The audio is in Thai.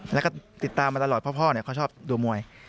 แล้วก็ติดตามมาตลอดเพราะพ่อเขาชอบดูมวย